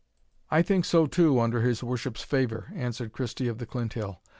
"I think so too, under his worship's favour," answered Christie of the Clinthill.